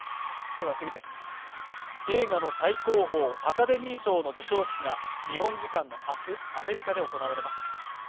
映画の最高峰、アカデミー賞の授賞式が日本時間の明日、アメリカで行われます。